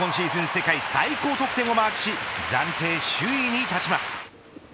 世界最高得点をマークし暫定首位に立ちます。